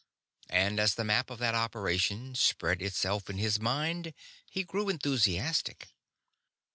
And as the map of that operation spread itself in his mind, he grew enthusiastic.